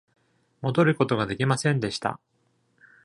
戻ることができませんでした。